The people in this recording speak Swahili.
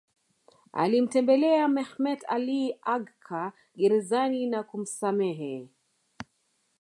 Alimtembelea Mehmet Ali Agca gerezani na kumsamehe